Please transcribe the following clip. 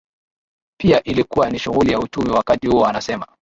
pia ilikuwa ni shughuli ya uchumi wakati huo anasema